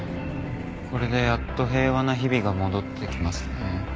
これでやっと平和な日々が戻ってきますね。